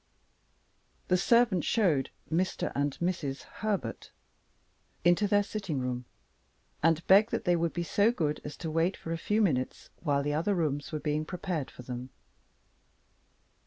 The servant showed "Mr. and Mrs. Herbert" into their sitting room, and begged that they would be so good as to wait for a few minutes, while the other rooms were being prepared for them.